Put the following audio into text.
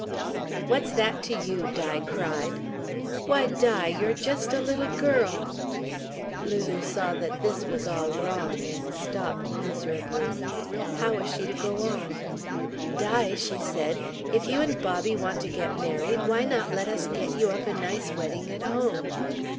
"What's that to you?" Di cried. "Why, Di, you're just a little girl " Lulu saw that this was all wrong, and stopped miserably. How was she to go on? "Di," she said, "if you and Bobby want to get married, why not let us get you up a nice wedding at home?"